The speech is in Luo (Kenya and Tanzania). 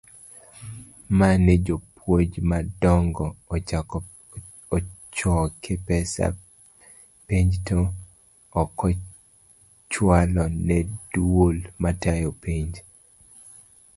mane jopuonj madongo ochoke pesa penj to okochualo ne duol matayo penj.